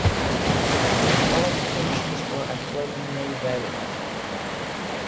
Qualifications for employment may vary.